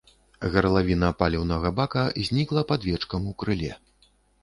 Гарлавіна паліўнага бака знікла пад вечкам у крыле.